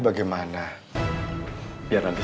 bapak nggak mungkin jadi wali nikah